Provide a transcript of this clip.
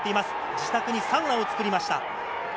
自宅にサウナを作りました。